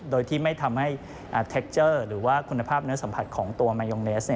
โดยที่ไม่ทำให้เทคเจอร์หรือว่าคุณภาพเนื้อสัมผัสของตัวมายองเนส